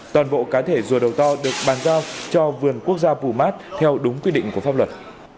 toàn bộ cá thể rùa đầu to được bàn giao cho vườn quốc gia pumat theo đúng quy định của pháp luật